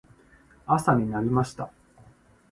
朝になりました。